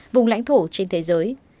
vùng lãnh thổ trên thế giới